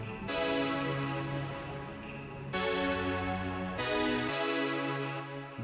terhadap keselamatan publik